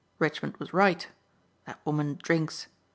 "Richmond was right. That woman drinks.